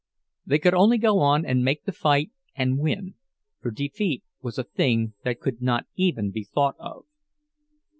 They could only go on and make the fight and win—for defeat was a thing that could not even be thought of.